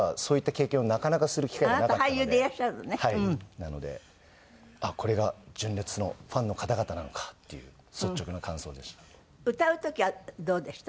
なのであっこれが純烈のファンの方々なのかっていう率直な感想でした。